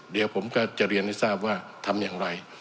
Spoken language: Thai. เดี๋ยวผมก็จะเรียนให้ทราบว่าทำอย่างไร